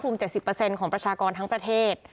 ๗๐ของประชากรทั้งประเทศ